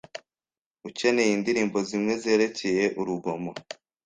Ukeneye indirimbo zimwe zerekeye urugomo